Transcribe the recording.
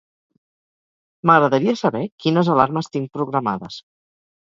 M'agradaria saber quines alarmes tinc programades.